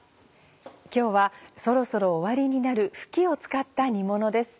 今日はそろそろ終わりになるふきを使った煮ものです。